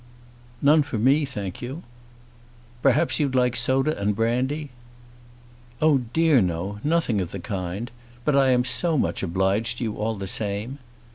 "None for me, thank you." "Perhaps you'd like soda and brandy?" "Oh dear no; nothing of the kind. But I am so much obliged to you all the same."